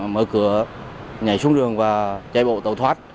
mở cửa nhảy xuống đường và chạy bộ tàu thoát